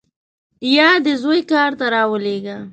یا دې زوی کار ته راولېږه.